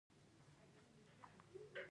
له دې وړاندې نورې ژباړې شوې وې.